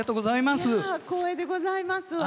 光栄でございますわ。